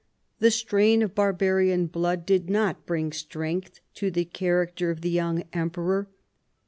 The strain of barbarian blood did not bring strength to the character of the young em peror.